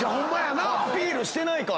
アピールしてないから。